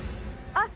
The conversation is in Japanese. あっ！